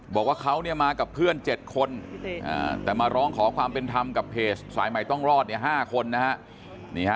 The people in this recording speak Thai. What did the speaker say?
บอกว่าเขามากับเพื่อน๗คนแต่มาร้องขอความเป็นธรรมกับเพจสายใหม่ต้องรอด๕คนนะฮะ